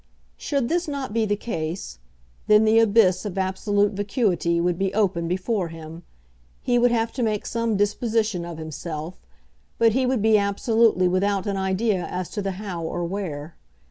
Should this not be the case, then the abyss of absolute vacuity would be open before him. He would have to make some disposition of himself, but he would be absolutely without an idea as to the how or where.